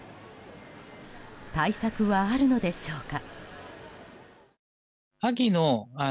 対策は、あるのでしょうか。